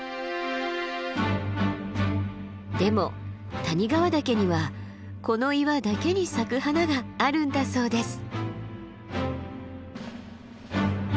でも谷川岳にはこの岩だけに咲く花があるんだそうです。